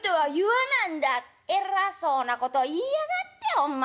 偉そうなこと言いやがってほんま。